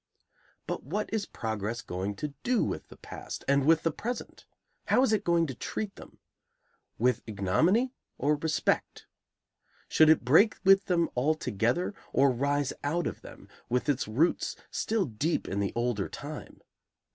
But what is progress going to do with the past, and with the present? How is it going to treat them? With ignominy, or respect? Should it break with them altogether, or rise out of them, with its roots still deep in the older time?